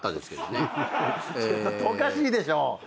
ちょっとおかしいでしょ！